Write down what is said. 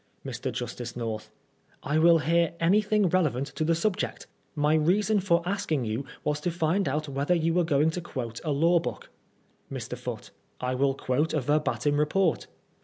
Mr. Justice North : I will hear anything relevant to the sub ject. My reason for asking you was to find out whether you were going to quote a law book. Mr. Foote : 1 will quote a verbatim report.